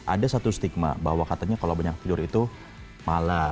ada satu stigma bahwa katanya kalau banyak tidur itu malah